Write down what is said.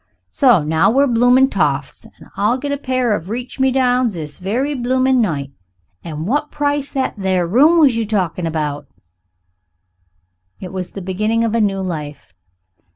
So now we're bloomin' toffs, an' I'll get a pair of reach me downs this very bloomin' night. And what price that there room you was talkin' about?" It was the beginning of a new life.